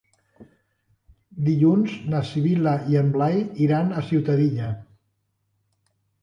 Dilluns na Sibil·la i en Blai iran a Ciutadilla.